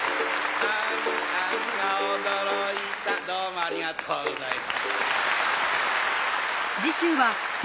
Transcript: あゝ驚いたどうもありがとうございます。